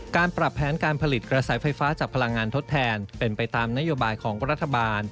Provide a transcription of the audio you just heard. การปรับแผนการผลิตกระแสไฟฟ้าจากพลังงานทดแทนเป็นไปตามนโยบายของรัฐบาล